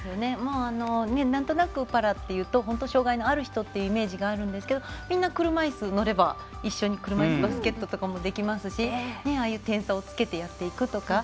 なんとなくパラっていうと障がいのある人ってイメージがあるんですけどみんな車いすに乗れば一緒に車いすバスケットとかできますし、ああいう点差をつけてやっていくとか。